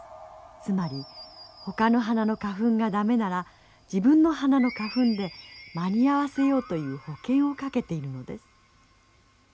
つまりほかの花の花粉が駄目なら自分の花の花粉で間に合わせようという保険を掛けているのです。